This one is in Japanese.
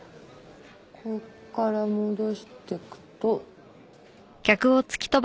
ここから戻していくと。